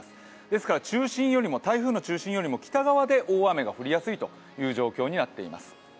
ですから台風の中心よりも北側で大雨が降りやすい状況になっています。